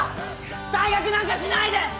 退学なんかしないで！